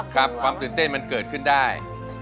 ความตื่นเต้นมันเกิดขึ้นได้